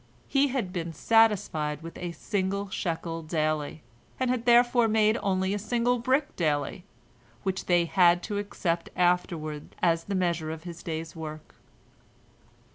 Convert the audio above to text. He had been satisfied with a single shekel daily, and had therefore made only a single brick daily, which they had to accept afterward as the measure of his day's work.